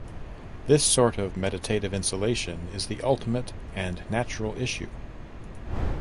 This sort of meditative insulation is the ultimate and natural issue.